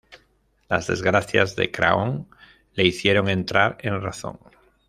Las desgracias de Craon le hicieron entrar en razón.